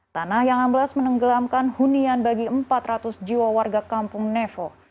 tanah yang amblas menenggelamkan hunian bagi empat ratus jiwa warga kampung nevo